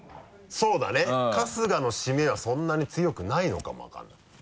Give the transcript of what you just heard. そうだね春日の閉めはそんなに強くないのかも分からない。